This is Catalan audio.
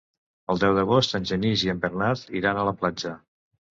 El deu d'agost en Genís i en Bernat iran a la platja.